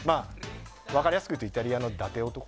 分かりやすく言うとイタリアの伊達男。